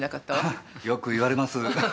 よく言われます。